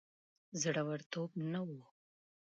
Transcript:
زړه ورتوب نه وو.